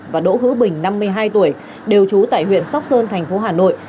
và đỗ hữu bình năm mươi hai tuổi đều trú tại huyện sóc sơn thành phố hà nội